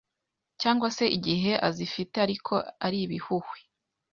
cyangwa se igihe azifite ariko ari ibihuhwe,